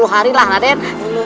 sepuluh hari lah raden